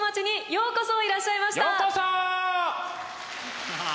ようこそ！